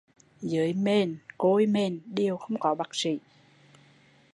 Dưới mền, côi mền đều không có bác sĩ